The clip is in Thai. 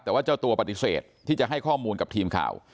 แต่ว่าเจ้าตัวปฏิเสธที่จะให้ข้อมูลกับทีมข่าว